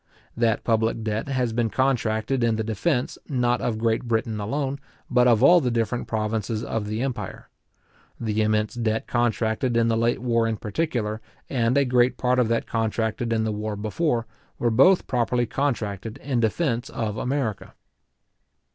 That public debt has been contracted in the defence, not of Great Britain alone, but of all the different provinces of the empire. The immense debt contracted in the late war in particular, and a great part of that contracted in the war before, were both properly contracted in defence of America.